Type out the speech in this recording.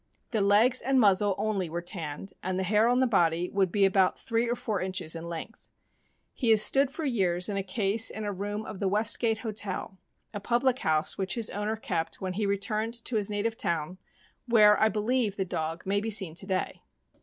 The legs and muzzle only were tanned, and the hair on the body would be about three or four inches in length. He has stood for years in a case in a room of the Westgate Hotel, a public house which h]s owner kept when he returned to his native town, where, I believe, the dog may be seen to day.